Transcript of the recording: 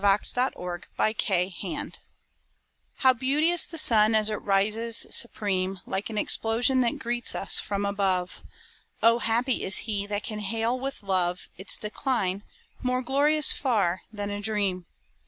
The Set of the Romantic Sun How beauteous the sun as it rises supreme, Like an explosion that greets us from above, Oh, happy is he that can hail with love, Its decline, more glorious far, than a dream.